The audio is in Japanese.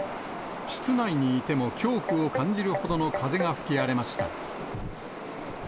室内にいても恐怖を感じるほどの風が吹き荒れました。